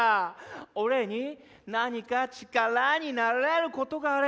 お礼に何か力になれることがあれば。